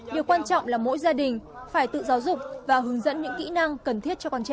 điều quan trọng là mỗi gia đình phải tự giáo dục và hướng dẫn những kỹ năng cần thiết cho con trẻ